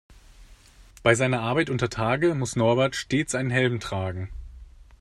Bei seiner Arbeit untertage muss Norbert stets einen Helm tragen.